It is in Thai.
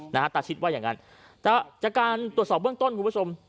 ตาชิดว่าอย่างงั้นจากการตรวจสอบเบื้องต้นคุณผู้ชม